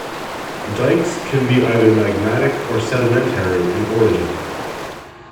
Dikes can be either magmatic or sedimentary in origin.